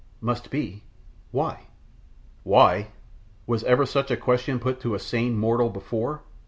"Must be; why?" "Why?" Was ever such a question put to a sane mortal before?